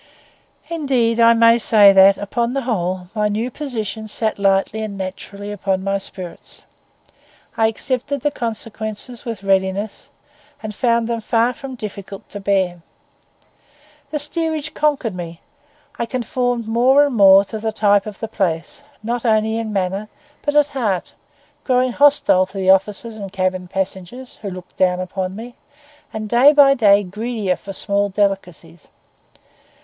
Indeed I may say that, upon the whole, my new position sat lightly and naturally upon my spirits. I accepted the consequences with readiness, and found them far from difficult to bear. The steerage conquered me; I conformed more and more to the type of the place, not only in manner but at heart, growing hostile to the officers and cabin passengers who looked down upon me, and day by day greedier for small delicacies.